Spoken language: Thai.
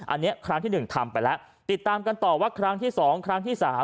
อันนี้ครั้งที่๑ทำไปแล้วติดตามกันต่อว่าครั้งที่๒ครั้งที่๓